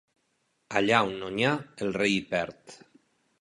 Allà on no n'hi ha, el rei hi perd.